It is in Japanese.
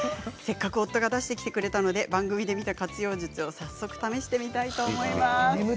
せっかく夫が出してきてくれたので、番組で見た活用術を早速試してみたいと思います。